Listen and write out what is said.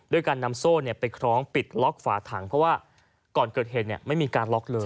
การนำโซ่ไปคล้องปิดล็อกฝาถังเพราะว่าก่อนเกิดเหตุไม่มีการล็อกเลย